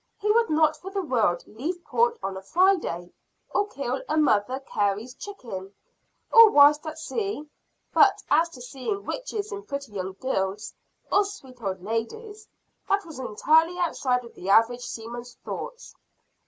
He would not for the world leave port on a Friday or kill a mother Carey's chicken or whistle at sea; but as to seeing witches in pretty young girls, or sweet old ladies, that was entirely outside of the average seaman's thoughts.